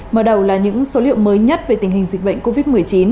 mở đầu là những số liệu mới nhất về tình hình dịch bệnh covid một mươi chín